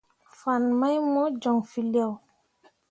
Fan mai mo joŋ feelao.